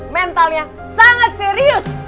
mentalnya sangat serius